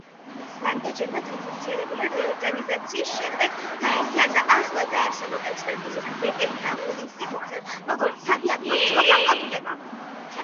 რამდენჯერმე განხორციელებული რეორგანიზაციის შემდეგ გაერთიანდა ახლად დაარსებულ ექსპერტიზის ვეტერინარულ ინსტიტუტთან, როგორც სადიაგნოსტიკო განყოფილება.